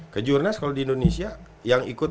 kejurnas kalau di indonesia yang ikut